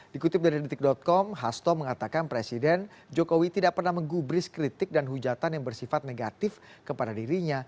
dikutip dari detik com hasto mengatakan presiden jokowi tidak pernah menggubris kritik dan hujatan yang bersifat negatif kepada dirinya